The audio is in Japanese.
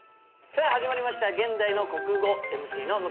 さあ始まりました「現代の国語」ＭＣの向井慧です。